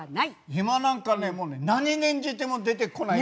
今なんかね何念じても出てこないの。